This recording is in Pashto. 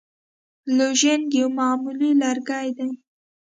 لوژینګ یو معمولي لرګی دی.